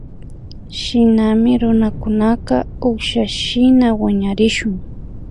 Shinami runakunaka ukshashina wiñarishun